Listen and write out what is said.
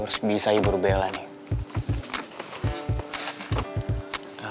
biar bi saya ibur bella nih